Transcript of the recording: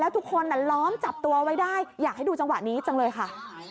ทุกคนล้อมจับตัวไว้ได้อยากให้ดูจังหวะนี้จังเลยค่ะ